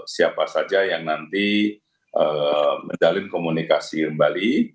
siapa saja yang nanti menjalin komunikasi kembali